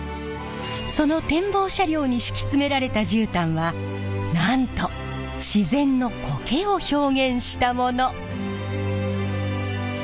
その展望車両に敷き詰められた絨毯はなんと自然のこけを表現したもの。